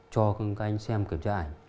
cho các anh xem kiểm tra ảnh